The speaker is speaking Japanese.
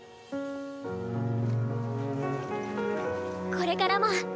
これからも。